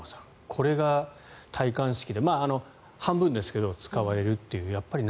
これが戴冠式で半分ですけど使われるという。